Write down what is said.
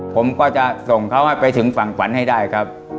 ผมก็จะส่งเขาให้ไปถึงฝั่งฝันให้ได้ครับ